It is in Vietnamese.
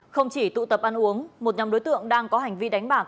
không chỉ tụ tập ăn uống một nhóm đối tượng đang có hành vi đánh bạc